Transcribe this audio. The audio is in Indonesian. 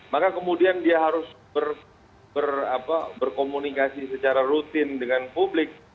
maka kemudian dia harus berkomunikasi secara rutin dengan publik